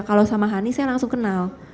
kalau sama hani saya langsung kenal